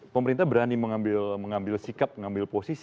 pemerintah berani mengambil sikap mengambil posisi